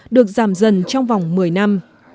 được giảm dần trong vòng một mươi năm